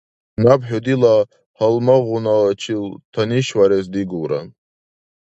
Наб хӀу дила гьалмагъуначил танишварес дигулра.